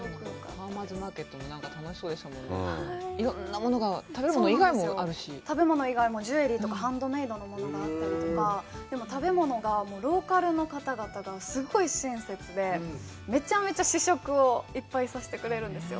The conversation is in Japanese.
ファーマーズ・マーケットもなんか楽しそうでしたもんね色んなものが食べ物以外もあるし食べ物以外もジュエリーとかハンドメードものがあったりとかでも食べ物がローカルの方々がすごい親切でめちゃめちゃ試食をいっぱいさせてくれるんですよ